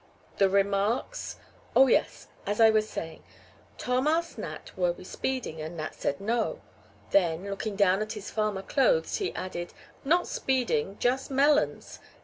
"The remarks?" "Oh, yes, as I was saying, Tom asked Nat were we speeding. And Nat said no. Then, looking down at his farmer clothes, he added: 'Not speeding, just melons.'